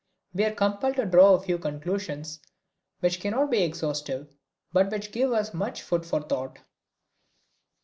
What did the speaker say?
We are compelled to draw a few conclusions which cannot be exhaustive, but which give us much food for thought.